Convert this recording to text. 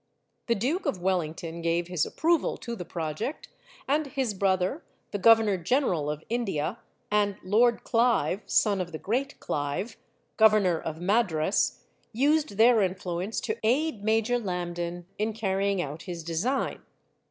The Duke of Wellington gave his approval to the project, and his brother, the Governor General of India, and Lord Clive (son of the great Clive), Governor of Madras, used their influence to aid Major Lambton in carrying out his design.